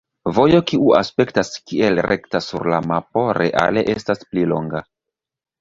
Vojo kiu aspektas kiel rekta sur la mapo reale estas pli longa.